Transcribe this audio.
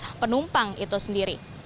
di atas penumpang itu sendiri